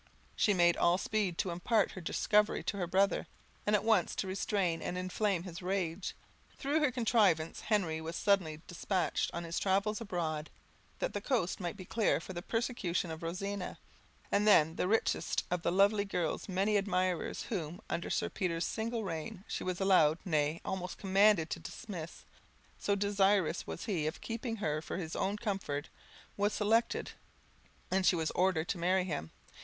She made all speed to impart her discovery to her brother, and at once to restrain and inflame his rage. Through her contrivance Henry was suddenly despatched on his travels abroad, that the coast might be clear for the persecution of Rosina; and then the richest of the lovely girl's many admirers, whom, under Sir Peter's single reign, she was allowed, nay, almost commanded, to dismiss, so desirous was he of keeping her for his own comfort, was selected, and she was ordered to marry him.